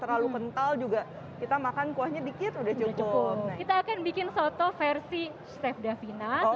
terlalu kental juga kita makan kuahnya dikit udah cukup kita akan bikin soto versi chef davinas